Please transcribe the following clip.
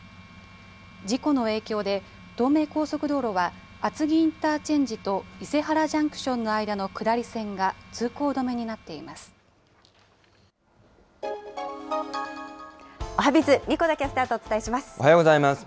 事故の影響で、東名高速道路は、厚木インターチェンジと伊勢原ジャンクションの間の下り線が通行おはＢｉｚ、おはようございます。